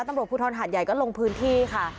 ตำรวจภูทรหาดใหญ่ก็ลงพื้นที่ค่ะ